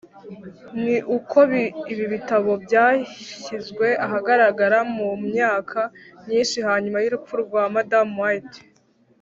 ni uko ibi bitabo byashyizwe ahagaragara mu myaka myinshi nyuma y’urupfu rwa madame White